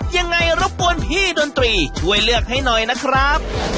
ยังไงรบกวนพี่ดนตรีช่วยเลือกให้หน่อยนะครับ